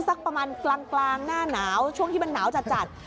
สักประมาณกลางหน้าหนาวช่วงที่มันหนาวจัด